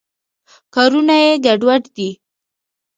کارونه یې ګډوډ دي.